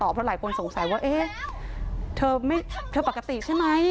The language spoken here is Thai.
เพราะหลายคนสงสัยว่าเอ๊ะเธอปกติใช่ไหม